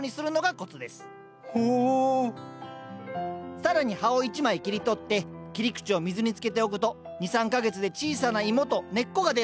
更に葉を１枚切り取って切り口を水につけておくと２３か月で小さなイモと根っこが出るんです。